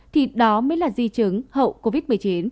thì đó mới là di chứng hậu covid một mươi chín